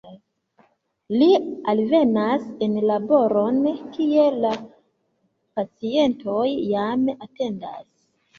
Li alvenas en laboron, kie la pacientoj jam atendas.